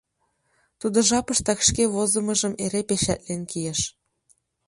Тудо жапыштак шке возымыжым эре печатлен кийыш.